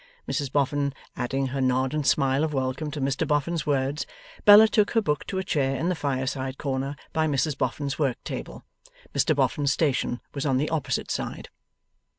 Mrs Boffin adding her nod and smile of welcome to Mr Boffin's words, Bella took her book to a chair in the fireside corner, by Mrs Boffin's work table. Mr Boffin's station was on the opposite side.